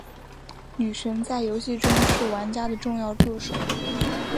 女神在游戏中是玩家的重要助手。